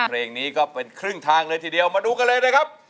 เพลงนี้ก็เป็นครึ่งทางเลยทีเดียวมาดูกันเลยนะครับ